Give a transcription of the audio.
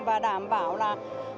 và đảm bảo là